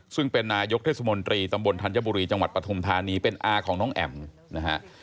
ซึ่งเป็นนายกเทศมนตรีตำบลธัญบุรีจังหวัดปฐุมธานีเป็นอาของน้องแอ๋มนะฮะ